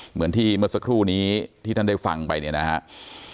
เหมือนที่เมื่อสักครู่นี้ที่ท่านได้ฟังไปเนี่ยนะครับ